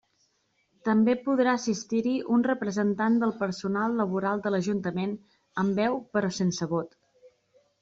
També podrà assistir-hi un representant del personal laboral de l'Ajuntament amb veu, però sense vot.